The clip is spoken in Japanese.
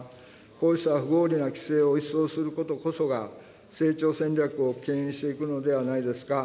こうした不合理な規制を一掃することこそが、成長戦略をけん引していくのではないですか。